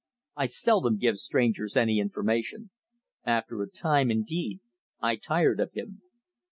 I seldom give strangers any information. After a time, indeed, I tired of him.